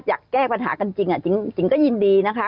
อยากแก้ปัญหากันจริงก็ยินดีนะคะ